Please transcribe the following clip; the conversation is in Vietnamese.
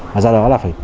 và do đó là phải